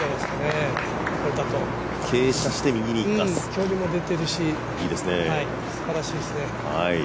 距離も出てるしすばらしいですね。